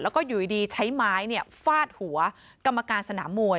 แล้วก็อยู่ดีใช้ไม้ฟาดหัวกรรมการสนามมวย